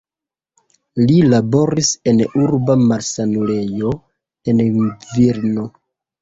Li laboris en urba malsanulejo en Vilno.